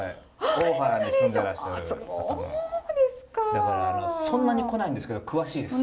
だからそんなに来ないんですけど詳しいです。